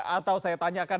atau saya tanyakan